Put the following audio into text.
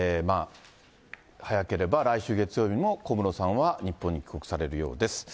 早ければ来週月曜にも、小室さんは日本に帰国されるようです。